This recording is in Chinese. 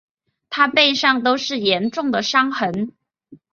她背上都是严重的伤痕